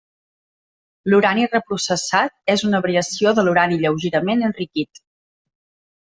L'urani reprocessat és una variació de l'urani lleugerament enriquit.